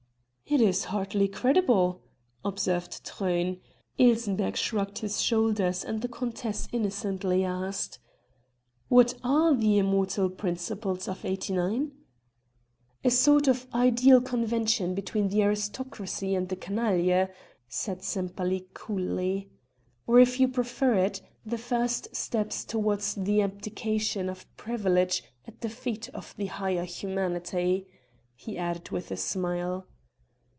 "It is hardly credible!" observed Truyn; Ilsenbergh shrugged his shoulders and the countess innocently asked: "What are the immortal principles of '89?" "A sort of ideal convention between the aristocracy and the canaille," said Sempaly coolly. "Or if you prefer it, the first steps towards the abdication of privilege at the feet of the higher humanity," he added with a smile.